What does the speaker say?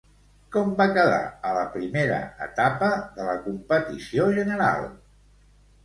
Com va quedar a la primera etapa de la competició general?